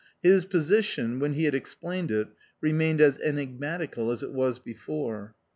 His position, when he had explained it, remained as enigmatical as it was before.